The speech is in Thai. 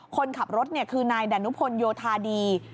คนขับรถคือนายดานุพลโยธาดี